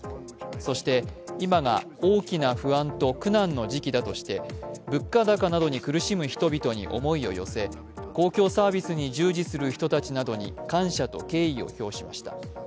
そして、今が大きな不安と苦難の時期だとして、物価高などに苦しむ人々に思いを寄せ公共サービスに従事する人たちなどに感謝と敬意を表しました。